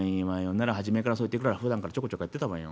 なら初めからそうやってふだんからちょこちょこやってたわよ。